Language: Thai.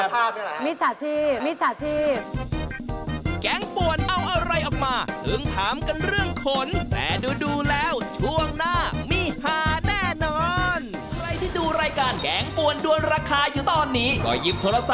ทำไมเราเป็นมิตรขนาดนั้นน่ะ